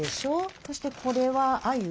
そしてこれはあゆ。